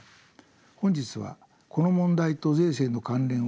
本日はこの問題と税制の関連を考えてみたいと思います。